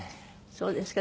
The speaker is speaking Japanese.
そうですか。